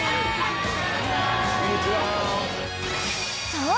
［そう！